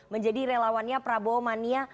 menjadi relawannya prabowo mania